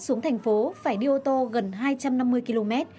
xuống thành phố phải đi ô tô gần hai trăm năm mươi km